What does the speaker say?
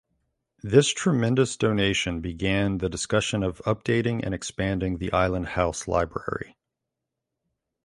This tremendous donation began the discussion of updating and expanding the Island House Library.